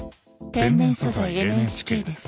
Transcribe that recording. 「天然素材ＮＨＫ」です。